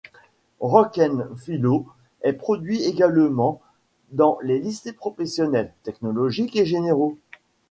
Rock'n philo est produit également dans les lycées professionnels, technologiques et généraux.